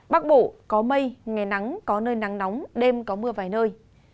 bắc bộ có mây ngày nắng có nơi nắng nóng đêm có mưa vài nơi